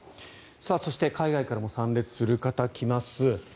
そして海外からも参列する方来ます。